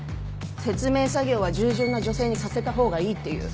説明作業は従順な女性にさせたほうがいいっていう。